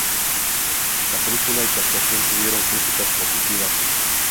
La película y su actuación tuvieron críticas positivas.